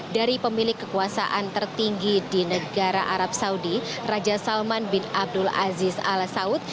dari pemilik kekuasaan tertinggi di negara arab saudi raja salman bin abdul aziz al saud